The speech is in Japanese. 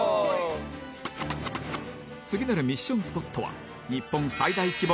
次なるミッションスポットは